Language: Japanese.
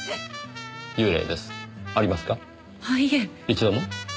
一度も？